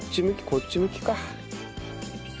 こっち向きか。